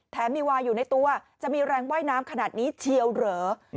มีวายอยู่ในตัวจะมีแรงว่ายน้ำขนาดนี้เชียวเหรอ